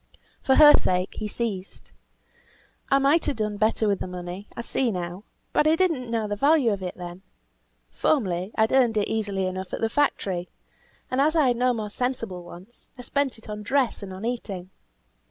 For her sake he ceased. "I might have done better with the money; I see now. But I did not know the value of money. Formerly I had earned it easily enough at the factory, and as I had no more sensible wants, I spent it on dress and on eating.